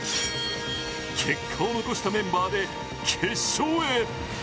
結果を残したメンバーで決勝へ。